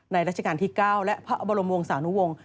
ราชการที่๙และพระบรมวงศานุวงศ์